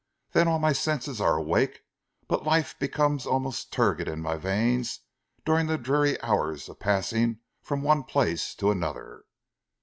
Then all my senses are awake, but life becomes almost turgid in my veins during the dreary hours of passing from one place to another."